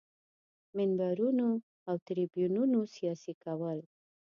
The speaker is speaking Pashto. منبرونو او تریبیونونو سیاسي کول.